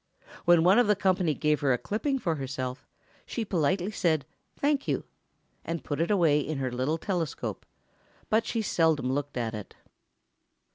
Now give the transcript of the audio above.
When one of the company gave her a clipping for herself, she politely said "Thank you," and put it away in her little telescope, but she seldom looked at it.